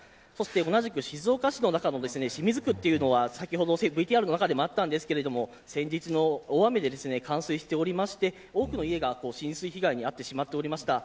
同じく静岡市の中の清水区というのは、先ほどＶＴＲの中でもありましたが先日の大雨で冠水しておりまして多くの家が浸水被害に遭っております。